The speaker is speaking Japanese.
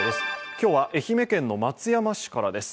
今日は愛媛県の松山市からです。